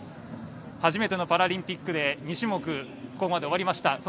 初めてのパラリンピックで２種目、終わりました。